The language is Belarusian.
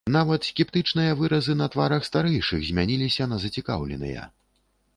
Нават скептычныя выразы на тварах старэйшых змяніліся на зацікаўленыя.